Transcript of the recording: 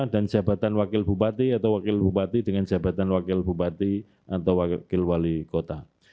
jabatan wakil bupati atau wakil bupati dengan jabatan wakil bupati atau wakil wali kota